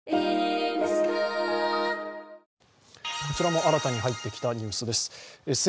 こちらも新たに入ってきたニュースです。